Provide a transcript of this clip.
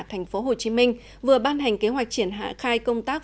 thành phố hồ chí minh vừa ban hành kế hoạch triển hạ khai công tác